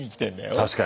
確かに。